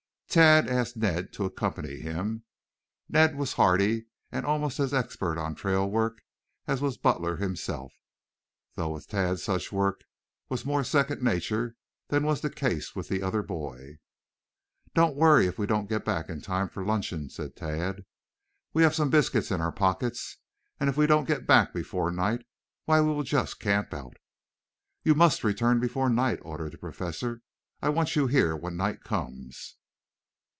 Tad asked Ned to accompany him. Ned was hardy and almost as expert on trail work as was Butler himself, though with Tad such work was more second nature than was the case with the other boy. "Don't worry if we don't get back in time for luncheon," said Tad. "We have some biscuit in our pockets, and if we don't get back before night, why we will just camp out." "You must return before night," ordered the Professor. "I want you here when night comes."